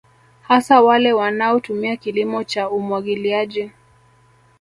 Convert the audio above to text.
Hasa wale wanao tumia kilimo cha umwagiliaji